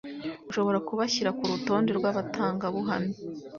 Ushobora kubashyira kurutonde rwabatangabuhamya?